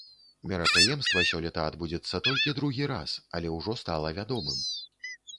Мерапрыемства сёлета адбудзецца толькі другі раз, але ўжо стала вядомым.